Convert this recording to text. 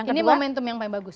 ini momentum yang paling bagus